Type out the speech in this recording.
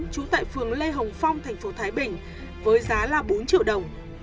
trú tại phường lê hồng phong thành phố thái bình với giá là bốn triệu đồng